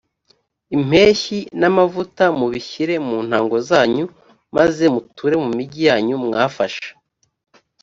impeshyi n’amavuta mubishyire mu ntango zanyu maze muture mu migi yanyu mwafashe